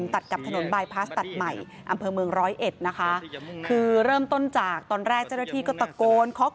ตัดกับถนนบายพาสตัดใหม่อำเภอเมืองร้อยเอ็ด